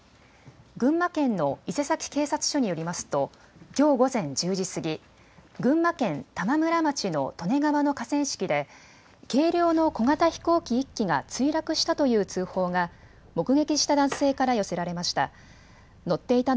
群馬県の伊勢崎警察署によりますときょう午前１０時過ぎ、群馬県玉村町の利根川の河川敷で軽量の小型飛行機１機が墜落したという通報が目撃した男性から寄せられました。